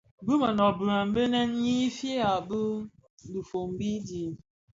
Bi mënōbi a Mbembe innë fyan fi dhifombi di.